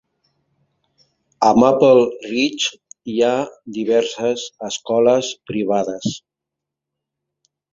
A Maple Ridge hi ha diverses escoles privades.